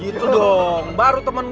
gitu dong baru temen gua